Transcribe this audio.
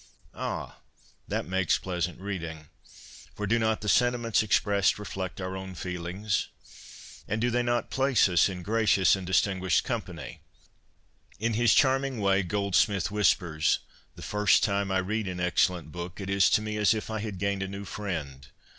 Ah ! that makes pleasant reading. For do not the sentiments expressed reflect our own feelings ? 99 100 CONFESSIONS OF A BOOK LOVER And do they not place us in gracious and distin guished company ? In his charming way, Gold smith whispers, ' The first time I read an excellent book, it is to me as if I had gained a new friend.